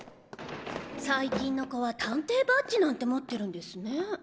最近の子は探偵バッジなんて持ってるんですね。